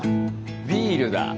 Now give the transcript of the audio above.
ビールだ。